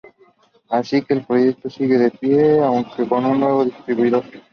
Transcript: Así que el proyecto sigue en pie, aunque con un nuevo distribuidor.